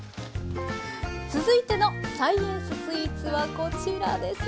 続いてのサイエンススイーツはこちらです。